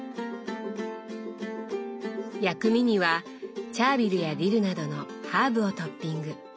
薬味にはチャービルやディルなどのハーブをトッピング。